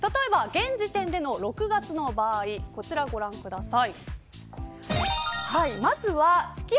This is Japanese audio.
現時点での６月の場合こちらご覧ください。